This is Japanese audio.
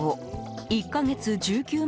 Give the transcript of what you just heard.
１か月１９万